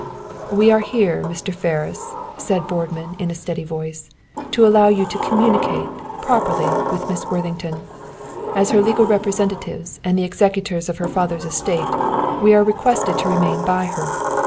"We are here, Mr. Ferris," said Boardman, in a steady voice, "to allow you to communicate, properly, with Miss Worthington. As her legal representatives and the executors of her father's estate, we are requested to remain by her.